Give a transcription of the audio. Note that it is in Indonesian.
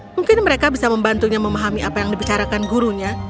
mungkin mereka bisa membantunya memahami apa yang dibicarakan gurunya